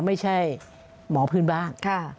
ไม่ใช่หมอพื้นบ้าน